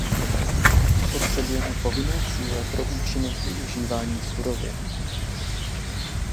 Potřebujeme povinné cíle pro účinnost využívání surovin.